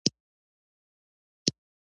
خلکو یو له بله غېږې ورکړې، ملا امام ویلي وو.